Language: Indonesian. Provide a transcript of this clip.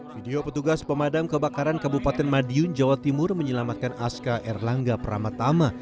video petugas pemadam kebakaran kabupaten madiun jawa timur menyelamatkan aska erlangga pramatama